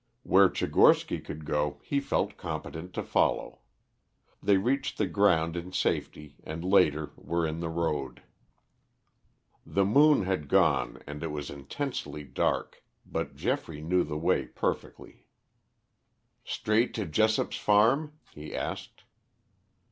Where Tchigorsky could go he felt competent to follow. They reached the ground in safety and later were in the road. The moon had gone and it was intensely dark, but Geoffrey knew the way perfectly. "Straight to Jessop's farm?" he asked.